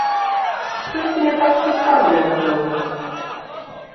Штосьці не так з суставамі, напэўна.